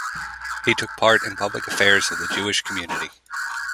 He took part in public affairs of the Jewish community.